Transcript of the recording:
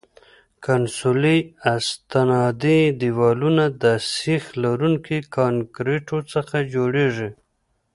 کنسولي استنادي دیوالونه د سیخ لرونکي کانکریټو څخه جوړیږي